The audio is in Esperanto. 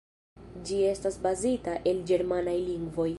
Ĝi estas bazita el ĝermanaj lingvoj.